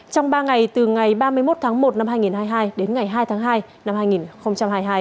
trong ba ngày từ ngày ba mươi một tháng một năm hai nghìn hai mươi hai đến ngày hai tháng hai năm hai nghìn hai mươi hai